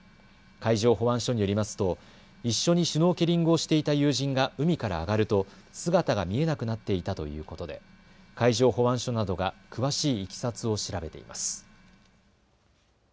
海上保安署によりますと一緒にシュノーケリングをしていた友人が海から上がると姿が見えなくなっていたということで海上保安署などが詳しいいきさつを調べています。